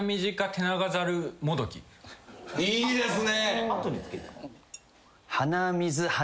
いいですね！